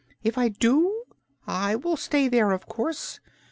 If I do, I will stay there, of course.